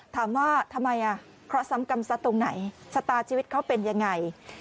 ถามว่าทำไมเคราะห์กรรมซัดตรงไหนชะตาชีวิตเขาเป็นยังไง